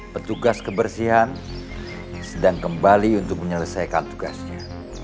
petugas kebersihan sedang kembali untuk menyelesaikan tugasnya